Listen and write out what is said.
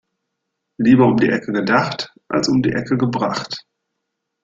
Lieber um die Ecke gedacht als um die Ecke gebracht.